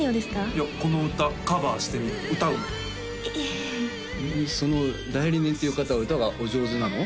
いやこの歌カバーしてみる歌ういえその代理人っていう方は歌がお上手なの？